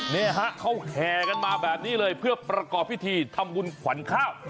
นี่ฮะเขาแห่กันมาแบบนี้เลยเพื่อประกอบพิธีทำบุญขวัญข้าว